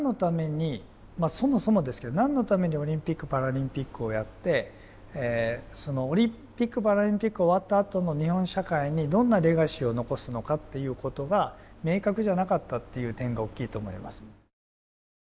そもそもですけどなんのためにオリンピック・パラリンピックをやってそのオリンピック・パラリンピックが終わったあとの日本社会に、どんなレガシーを遺すのかっていうことが明確じゃなかったっていう点が大きいと思います。